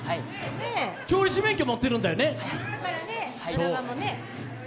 調理師免許持ってるんだよね。